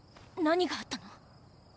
何があったの？